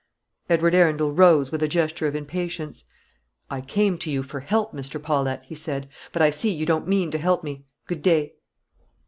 Edward Arundel rose, with a gesture of impatience. "I came to you for help, Mr. Paulette," he said; "but I see you don't mean to help me. Good day."